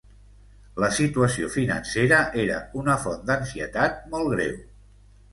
La situació financera era una font d'ansietat molt greu.